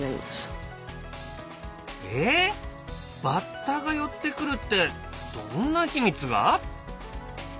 バッタが寄ってくるってどんな秘密が？